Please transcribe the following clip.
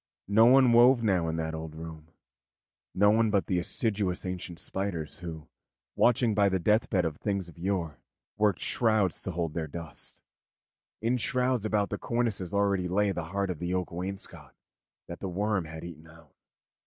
No one wove now in that old room no one but the assiduous ancient spiders who, watching by the deathbed of the things of yore, worked shrouds to hold their dust. In shrouds about the cornices already lay the heart of the oak wainscot that the worm had eaten out.